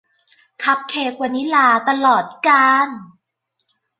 คัพเค้กวานิลลาตลอดกาล